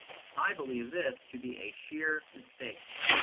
I believe this to be a sheer mistake.